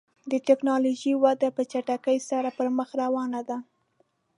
د ټکنالوژۍ وده په چټکۍ سره پر مخ روانه ده.